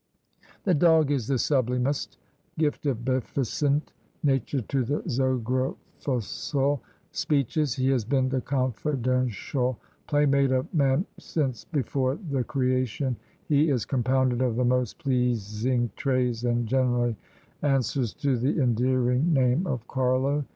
"The dog is the sublymest, gift of beficient nature to the zografical Speeches, He has been the confidenshul playmate of; man since before the creation, he is compounded of the most plezing trays and Generaly ansers to the endeering name of carlo?